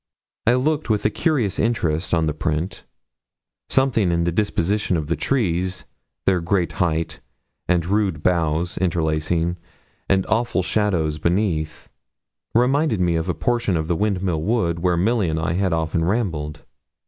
I looked with a curious interest on the print: something in the disposition of the trees, their great height, and rude boughs, interlacing, and the awful shadow beneath, reminded me of a portion of the Windmill Wood where Milly and I had often rambled.